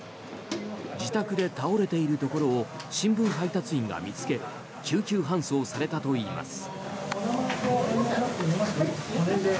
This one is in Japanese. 自宅で倒れているところを新聞配達員が見つけ救急搬送されたといいます。